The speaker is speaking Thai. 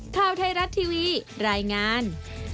ข่าวไทยรัฐทีวีรายงาน